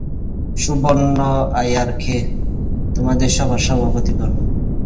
সুব্রহ্মণ্য আয়ারকে তোমাদের সভার সভাপতি করো।